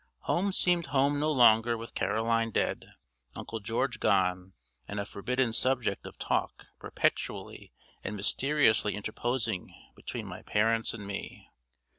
Home seemed home no longer with Caroline dead, Uncle George gone, and a forbidden subject of talk perpetually and mysteriously interposing between my parents and me.